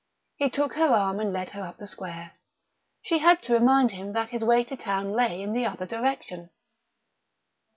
He took her arm and led her up the square. She had to remind him that his way to town lay in the other direction.